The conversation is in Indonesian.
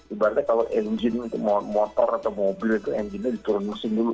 ibaratnya kalau motor atau mobil itu di turun musim dulu